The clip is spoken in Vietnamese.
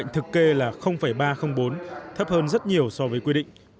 ba trăm linh bốn thấp hơn rất nhiều so với quy định